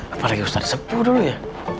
apalagi ustadz sebu dulu ya